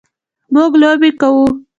موږ لوبې کوو.